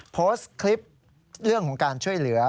โพสต์คลิปเรื่องของการช่วยเหลือ